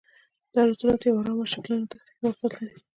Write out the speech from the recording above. دا رسټورانټ په یوه ارامه شګلنه دښته کې موقعیت لري.